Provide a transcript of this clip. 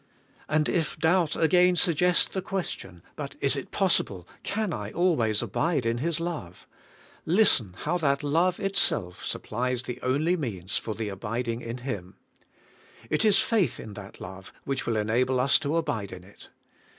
And if doubt again suggest the question : But is it possible, can I always abide in His love? listen how that love itself supplies the only means for the abid ing in Him : It is faith in that love which will en able us to abide in it.